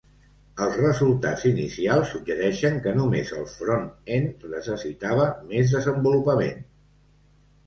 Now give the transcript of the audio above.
Els resultats inicials suggereixen que només el front-end necessitava més desenvolupament.